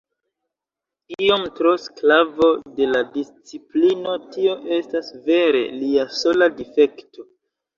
Iom tro sklavo de la disciplino; tio estas vere lia sola difekto.